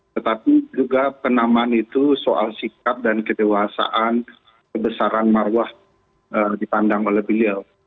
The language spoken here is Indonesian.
tetapi juga penamaan itu soal sikap dan kedewasaan kebesaran marwah dipandang oleh beliau